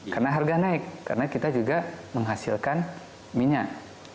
karena harga naik karena kita juga menghasilkan minyak